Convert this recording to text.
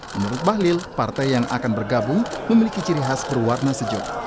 menurut bahlil partai yang akan bergabung memiliki ciri khas berwarna sejuk